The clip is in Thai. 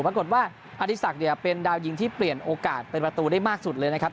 ปรากฏว่าอดีศักดิ์เนี่ยเป็นดาวยิงที่เปลี่ยนโอกาสเป็นประตูได้มากสุดเลยนะครับ